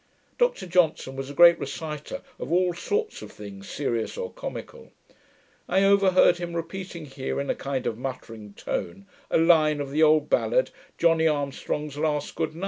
Dr Johnson was a great reciter of all sorts of things serious or comical. I over heard him repeating here, in a kind of muttering tone, a line of the old ballad, 'Johnny Armstrong's Last Good Night': 'And ran him through the fair body!'